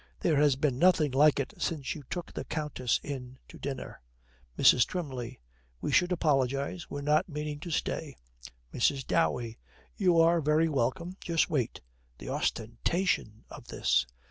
There has been nothing like it since you took the countess in to dinner. MRS. TWYMLEY. 'We should apologise. We're not meaning to stay.' MRS. DOWEY. 'You are very welcome. Just wait' the ostentation of this!